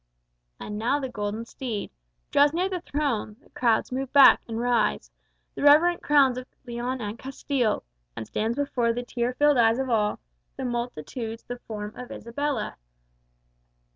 _" And now the golden steed Draws near the throne; the crowds move back, and rise The reverent crowns of Leon and Castile; And stands before the tear filled eyes of all The multitudes the form of Isabella.